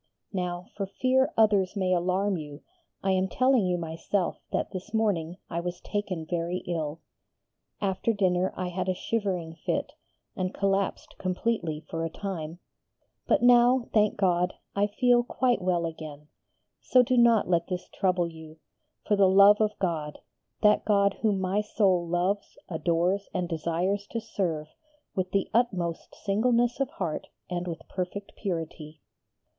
Now, for fear others may alarm you, I am telling you myself that this morning I was taken very ill. After dinner I had a shivering fit and collapsed completely for a time, but now, thank God, I feel quite well again; so do not let this trouble you, for the love of God, that God Whom my soul loves, adores, and desires to serve with the utmost singleness of heart and with perfect purity.